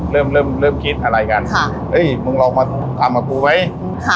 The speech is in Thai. เริ่มเริ่มเริ่มคิดอะไรกันค่ะเอ้ยมึงลองมาทำกับกูไหมค่ะ